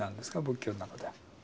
仏教の中では。